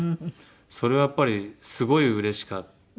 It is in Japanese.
それはやっぱりすごいうれしかったですよね。